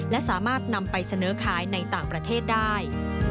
และสามารถนำไปเสนอขายในต่างประเทศได้